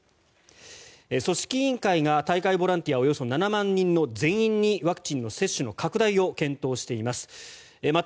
組織委員会が大会ボランティアおよそ７万人の全員にワクチンの接種の拡大を検討しています。